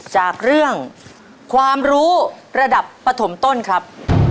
จากเรื่องความรู้ระดับปฐมต้นครับ